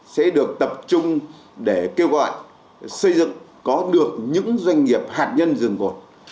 sẽ được tập trung để kêu gọi xây dựng có được những doanh nghiệp hạt nhân dường cột